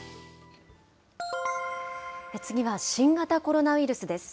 次は、新型コロナウイルスです。